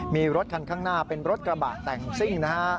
มีรถคันข้างหน้าเป็นรถกระบะแต่งซิ่งนะฮะ